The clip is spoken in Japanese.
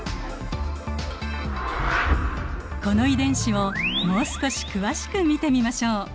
この遺伝子をもう少し詳しく見てみましょう。